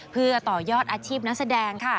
เพื่อต่อยอดอาชีพนักแสดงค่ะ